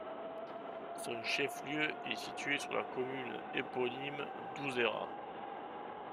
Son chef-lieu est situé sur la commune éponyme d'Ouzera.